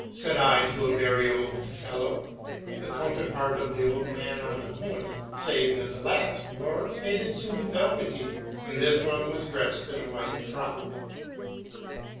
said I to a very old fellow, the counterpart of the old man on the pony, save that the last wore a faded suit of velveteen, and this one was dressed in a white frock.